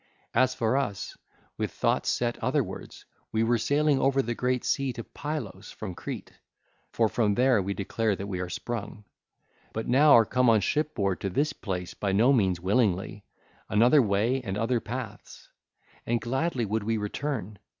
As for us, with thoughts set otherwards, we were sailing over the great sea to Pylos from Crete (for from there we declare that we are sprung), but now are come on shipboard to this place by no means willingly—another way and other paths—and gladly would we return.